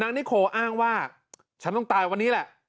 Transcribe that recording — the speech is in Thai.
นิโคอ้างว่าฉันต้องตายวันนี้แหละ